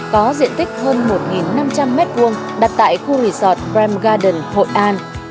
có diện tích hơn một năm trăm linh m hai đặt tại khu resort prem garden hội an